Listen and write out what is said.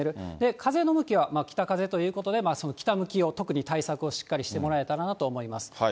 風の向きは北風ということで、北向きを、特に対策をしっかりしてもらえたらなと思います。